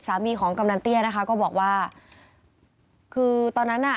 สามีของกำนันเตี้ยนะคะก็บอกว่าคือตอนนั้นน่ะ